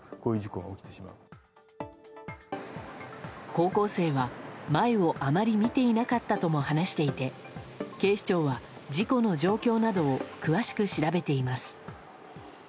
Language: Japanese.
高校生は前をあまり見ていなかったとも話していて警視庁は事故の状況などを詳しく調べています。